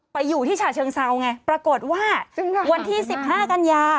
ไปอยู่ที่ฉะเชิงเซาไงปรากฏว่าวันที่๑๕กันยา